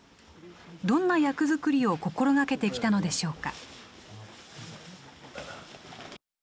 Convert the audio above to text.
どんな役作りを心がけてきたのでしょうか